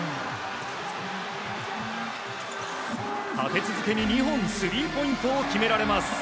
立て続けに２本スリーポイントを決められます。